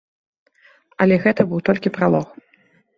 Але гэта быў толькі пралог.